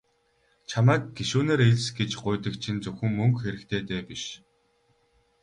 Чамайг гишүүнээр элс гэж гуйдаг чинь зөвхөн мөнгө хэрэгтэйдээ биш.